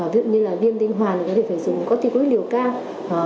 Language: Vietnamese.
ví dụ như là viêm tinh hoàn thì có thể dùng có tích quốc liều cao